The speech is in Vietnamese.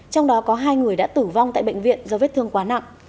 trong đó có hai người đã tử vong tại bệnh viện do vết thương quá nặng